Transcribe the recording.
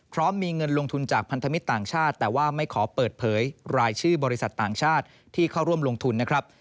มีเงินลงทุนจากพันธมิตรต่างชาติแต่ว่าไม่ขอเปิดเผยรายชื่อบริษัทต่างชาติที่เข้าร่วมลงทุนนะครับ